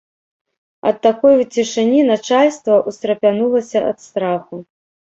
Ад такой цішыні начальства ўстрапянулася ад страху.